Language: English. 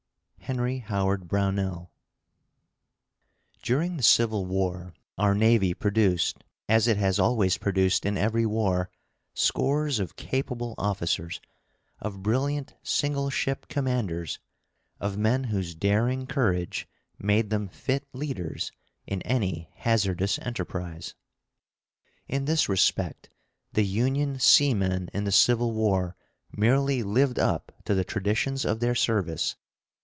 Henry Howard Brownell During the Civil War our navy produced, as it has always produced in every war, scores of capable officers, of brilliant single ship commanders, of men whose daring courage made them fit leaders in any hazardous enterprise. In this respect the Union seamen in the Civil War merely lived up to the traditions of their service.